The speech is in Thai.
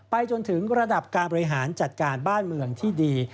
จนถึงระดับการบริหารจัดการบ้านเมืองที่ดี